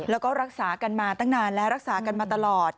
แล้วก็รักษากันมาตั้งนานและรักษากันมาตลอด